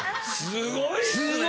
すごいっすね！